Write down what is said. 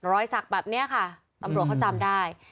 รอยสักแบบเนี่ยค่ะตำรวจเข้าจำได้